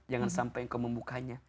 jangan sampai kau membukanya